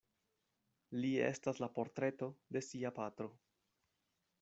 Li estas la portreto de sia patro.